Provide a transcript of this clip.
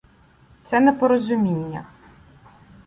— Це непорозуміння.